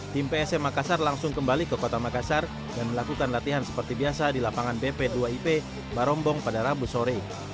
tim psm makassar langsung kembali ke kota makassar dan melakukan latihan seperti biasa di lapangan bp dua ip barombong pada rabu sore